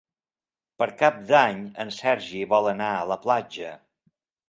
Per Cap d'Any en Sergi vol anar a la platja.